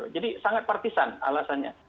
jadi sangat partisan alasannya